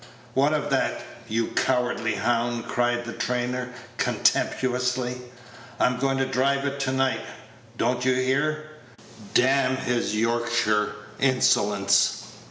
"What of that, you cowardly hound?" cried the trainer, contemptuously. "I'm going to drive it to night, don't you hear? D n his Yorkshire insolence!